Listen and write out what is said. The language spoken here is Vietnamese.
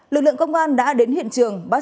lực lượng công an đã đến hiện trường